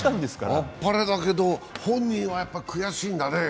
あっぱれだけど、本人は悔しいんだね。